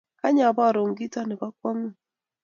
Kany aborun kito nebo kakwong'ut